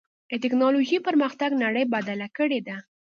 د ټکنالوجۍ پرمختګ نړۍ بدلې کړې ده.